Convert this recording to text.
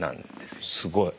すごい。